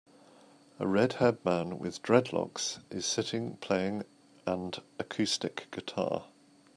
A redhaired man with dreadlocks is sitting playing and acoustic guitar.